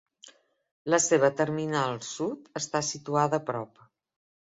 La seva terminal sud està situada a prop.